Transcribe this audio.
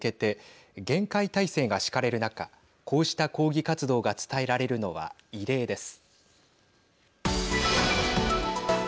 北京市内で党大会に向けて厳戒態勢が敷かれる中こうした抗議活動が伝えられるのは異例です。